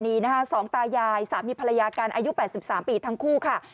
นี่นะคะสองตายายสามีภรรยากันอายุ๘๓ปีทั้งคู่ค่ะ